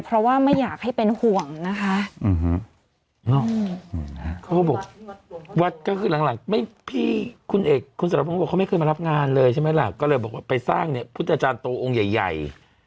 ประโยคโรงโรงใหญ่